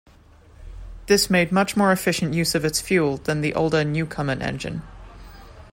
This made much more efficient use of its fuel than the older Newcomen engine.